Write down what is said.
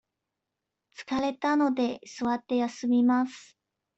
疲れたので、座って休みます。